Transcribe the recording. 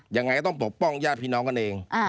ยังไงก็ต้องปกป้องญาติพี่น้องกันเอง